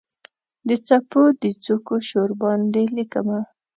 د څپو د څوکو شور باندې لیکمه